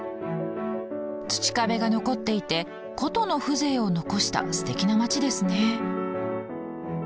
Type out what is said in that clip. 土壁が残っていて古都の風情を残したすてきな町ですね。